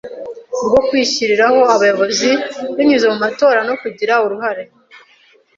bwo kwishyiriraho abayobozi binyuze mu matora no kugira uruhare